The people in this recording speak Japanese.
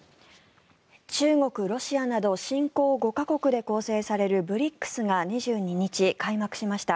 中国、ロシアなど新興５か国で構成されるＢＲＩＣＳが２２日、開幕しました。